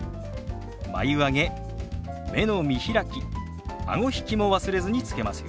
眉上げ目の見開きあご引きも忘れずにつけますよ。